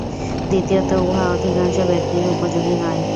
দ্বিতীয়ত উহা অধিকাংশ ব্যক্তিরই উপযোগী নয়।